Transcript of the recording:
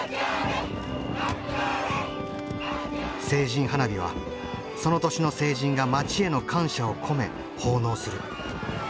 成人花火はその年の成人が町への感謝を込め奉納する。